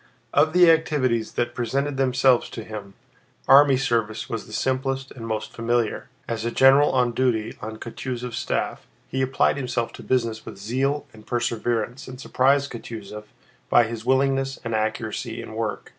Of the activities that presented themselves to him, army service was the simplest and most familiar. As a general on duty on Kutúzov's staff, he applied himself to business with zeal and perseverance and surprised Kutúzov by his willingness and accuracy in work.